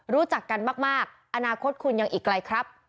รู้จักกันมากอนาคตคุณยังอีกไกลครับ